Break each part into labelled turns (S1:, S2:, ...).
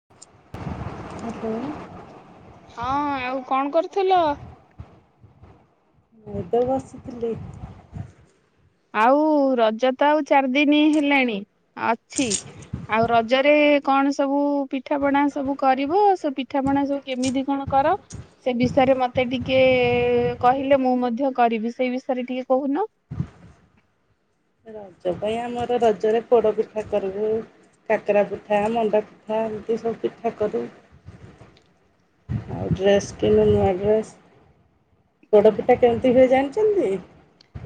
S1: [inaudible]
S2: ହଁ, ଆଉ କଣ କରୁଥିଲ?
S1: ହେଇତ ବସିଥିଲି।
S2: ଆଉ ରଜ ତ ଆଉ ଚାରି ଦିନ ହେଲାଣି ଅଛି। ଆଉ ରଜରେ କଣ ସବୁ ପିଠାପଣା ସବୁ କରିବ? ସେ ପିଠା ପଣା ସବୁ କେମିତି କଣ କର। ସେ ବିଷୟରେ ମତେ ଟିକେ କହିଲେ ମୁଁ ମଧ୍ୟ କରିବି। ସେଇ ବିଷୟରେ ଟିକେ କହୁନ?
S1: ରଜ ପାଇଁ ଆମର ରଜରେ ପୋଡ଼ ପିଠା କରିବୁ। କାକରା ପିଠା, ମଣ୍ଡାପିଠା, ଏମିତି ସବୁ ପିଠା କରୁ। ଆଉ ଡ୍ରେସ୍ କିଣୁ ନୂଆ ଡ୍ରେସ୍। ପୋଡ଼ ପିଠା କେମିତି ହୁଏ ଜାଣିଛନ୍ତି?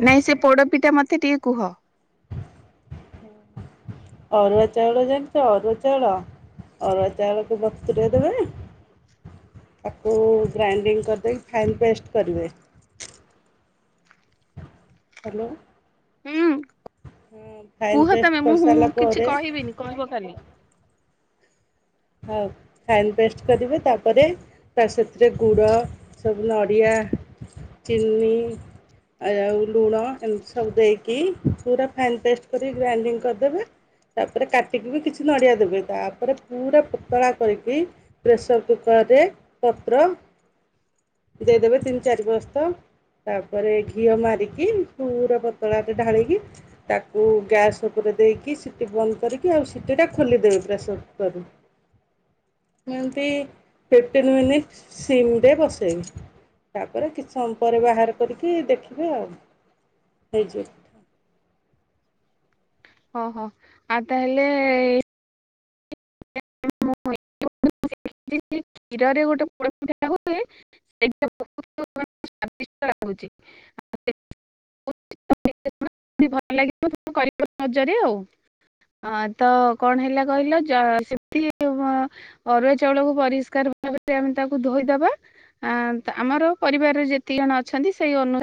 S2: ନାଇଁ, ସେ ପୋଡପିଠା ମତେ ଟିକେ କୁହ।
S1: ଅରୁଆ ଚାଉଳ ଜାଣିଛ ଅରୁଆ ଚାଉଳ। ଅରୁଆ ଚାଉଳକୁ ବତୁରେଇ ଦେବେ। ତାକୁ ଗ୍ରାଇଣ୍ଡିଙ୍ଗ କରିଦେଇକି ଫାଇନ୍ ପେଷ୍ଟ କରିବେ। ହ୍ୟାଲୋ,
S2: ହୁଁ
S1: ହଁ ଫାଇନ୍
S2: କୁହ ତମେ
S1: ପେଷ୍ଟ
S2: ମୁଁ ହୁଁ
S1: କରିସାରିଲା
S2: କିଛି
S1: ପରେ।
S2: କହିବିନି କହିବ କାଲି।
S1: ହଉ, ଫାଇନ୍ ପେଷ୍ଟ କରିବେ ତାପରେ ତା ସାଥିରେ ଗୁଡ଼, ସବୁ ନଡ଼ିଆ, ଚିନି। ଆ ଆଉ ଲୁଣ ଏମିତି ସବୁ ଦେଇକି ପୁରା ଫାଇନ୍ ପେଷ୍ଟ କରି ଗ୍ରାଇଣ୍ଡିଙ୍ଗ କରିଦେବେ। ତାପରେ କାଟିକି ବି କିଛି ନଡ଼ିଆ ଦେବେ। ତାପରେ ପୁରା ପତଳା କରିକି ପ୍ରେସର କୁକରରେ ପତ୍ର ଦେଇଦେବେ ତିନି ଚାରି ପରସ୍ତ। ତାପରେ ଘିଅ ମାରିକି, ପୁର ପତଳାଟେ ଢାଳିକି ତାକୁ ଗ୍ୟାସ୍ ଉପରେ ଦେଇକି ସିଟି ବନ୍ଦ କରିକି, ଆଉ ସିଟିଟା ଖୋଲିଦେବେ ପ୍ରେସର କୁକରରୁ। ଏମତି ଫିଫ୍ଟିନ୍ ମିନିଟ୍ ସିମରେ ବସେଇବେ। ତାପରେ କିଛି ସମୟ ପରେ ବାହାର କରିକି ଦେଖିବେ ଆଉ ହେଇଛି।
S2: ଓହୋ, ଆଉ ତାହେଲେ [inaudible] କ୍ଷୀରରେ ଗୋଟେ ପୋଡ଼ପିଠା ହୁଏ। ସେଇଟା ବହୁତ୍ [inaudible] [inaudible] ଭଲ ଲାଗିବ କରିପାରିବ ରଜରେ ଆଉ ଅଁ- ତ କଣ ହେଲା କହିଲ [unintelligible] [unintelligible] ଅରୁଆ ଚାଉଳକୁ ପରିଷ୍କାର ଭାବରେ ଆମେ ତାକୁ ଧୋଇଦବା ଆଁ -ତ ଆମର ପରିବାରରେ ଯେତେ ଜଣ ଅଛନ୍ତି ସେଇ ଅନୁସାରେ